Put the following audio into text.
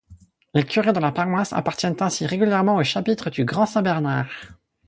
Les curés de la paroisse appartiennent ainsi régulièrement au chapitre du Grand-Saint-Bernard.